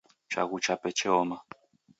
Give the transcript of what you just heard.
Chaghu chape cheoma.